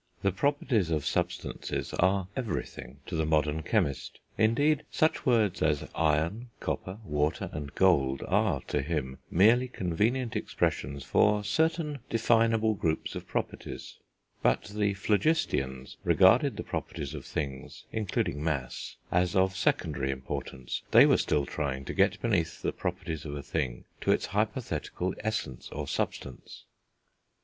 The properties of substances are everything to the modern chemist indeed, such words as iron, copper, water, and gold are to him merely convenient expressions for certain definable groups of properties but the phlogisteans regarded the properties of things, including mass, as of secondary importance; they were still trying to get beneath the properties of a thing, to its hypothetical essence, or substance.